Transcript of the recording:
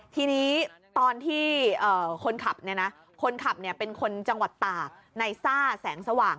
ทีนี้ตอนที่คนขับคนขับเป็นคนจังหวัดตากในซ่าแสงสว่าง